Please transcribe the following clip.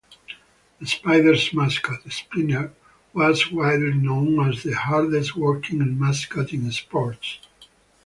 The Spiders' mascot, Spinner, was widely known as the hardest working mascot in sports.